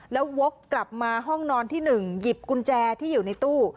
แล้ววกกลับมาห้องนอนที่๑หยิบกุญแจที่อยู่ในตู้